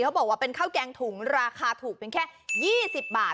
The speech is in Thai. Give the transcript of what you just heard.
เขาบอกว่าเป็นข้าวแกงถุงราคาถูกเพียงแค่๒๐บาท